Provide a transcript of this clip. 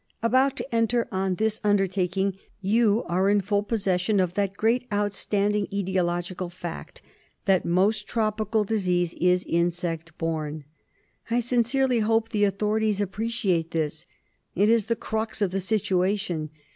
About to enter on this undertaking, you are in full possession 'of that great outstanding etiological fact that most tropical disease is insect borne. I sincerely hope the authorities appreciate this. It is the crux of the situation.